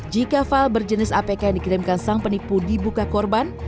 jika file berjenis apk yang dikirimkan sang penipu dibuka korban